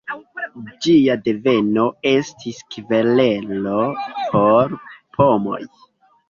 Ĝia deveno estis kverelo por pomoj.